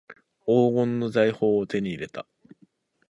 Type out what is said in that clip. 黄金の財宝を手に入れた